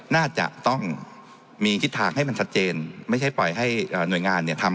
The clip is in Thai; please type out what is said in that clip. น่าจะต้องมีทิศทางให้มันสัดเจน